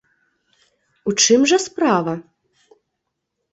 У чым жа справа?